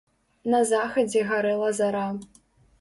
На захадзе гарэла зара.